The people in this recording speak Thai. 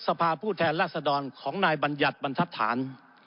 สภาผู้แทนรัศดรของนายบัญญัติบัณฑฐาน